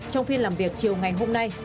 trong phiên làm việc chiều ngày hôm nay